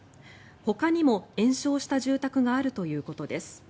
ほかにも延焼した住宅があるということです。